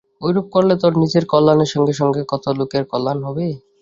ঐরূপ করলে তোর নিজের কল্যাণের সঙ্গে সঙ্গে কত লোকের কল্যাণ হবে।